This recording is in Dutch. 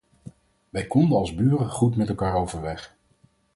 Wij konden als buren goed met elkaar overweg.